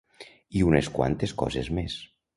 I unes quantes coses més.